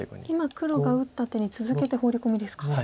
今黒が打った手に続けてホウリ込みですか。